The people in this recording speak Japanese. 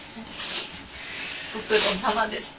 ご苦労さまでした。